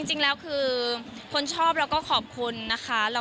จริงแล้วคือคนชอบแล้วก็ขอบคุณนะคะ